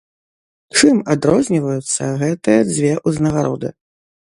Чым адрозніваюцца гэтыя дзве ўзнагароды?